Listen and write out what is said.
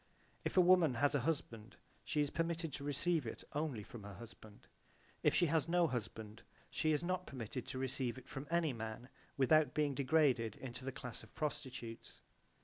If a woman has a husband she is permitted to receive it only from her husband: if she has no husband she is not permitted to receive it from any man without being degraded into the class of prostitutes.